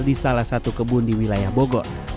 di salah satu kebun di wilayah bogor